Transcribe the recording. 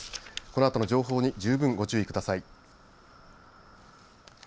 このあとの情報に十分、ご注意ください。